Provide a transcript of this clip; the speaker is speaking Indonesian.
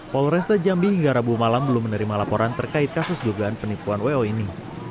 polresta jambi hingga rabu malam belum menerima laporan terkait kasus dugaan penipuan wo ini